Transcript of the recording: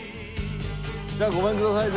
じゃあごめんください